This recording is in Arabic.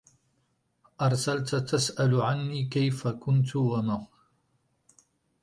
أرسلت تسأل عني كيف كنت وما